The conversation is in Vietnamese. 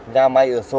nhà mày ở số bốn